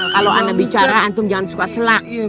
kalau anda bicara antum jangan suka selak